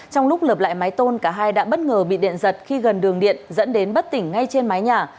trong lúc lợp lại mái tôn cả hai đã bất ngờ bị điện giật khi gần đường điện dẫn đến bất tỉnh ngay trên mái nhà